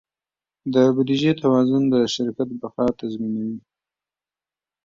د بودیجې توازن د شرکت بقا تضمینوي.